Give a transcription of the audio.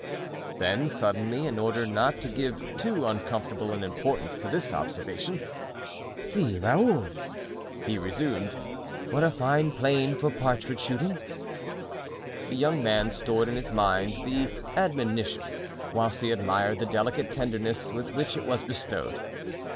Then suddenly, in order not to give too uncomfortable an importance to this observation: "See, Raoul!" he resumed; "what a fine plain for partridge shooting." The young man stored in his mind the admonition whilst he admired the delicate tenderness with which it was bestowed.